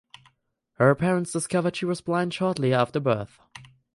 Her parents discovered she was blind shortly after birth.